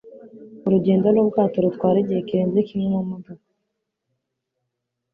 Urugendo nubwato rutwara igihe kirenze kimwe mumodoka.